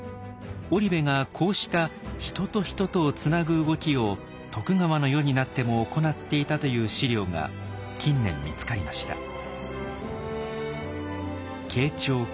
織部がこうした人と人とをつなぐ動きを徳川の世になっても行っていたという史料が近年見つかりました。